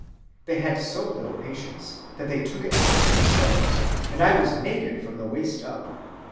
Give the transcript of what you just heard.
They had so little patience that they took it off themselves, and I was naked from the waist up.